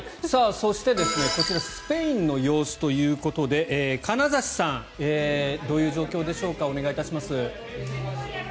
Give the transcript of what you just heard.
そして、こちらスペインの様子ということで金指さんどういう状況でしょうか。